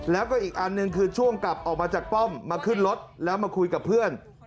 แล้วก็อีกอันหนึ่งคือช่วงกลับออกมาจากป้อมมาขึ้นรถแล้วมาคุยกับเพื่อน